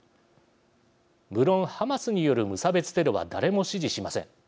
無論、ハマスによる無差別テロは誰も支持しません。